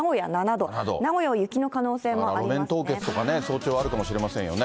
路面凍結とか、早朝あるかもしれませんよね。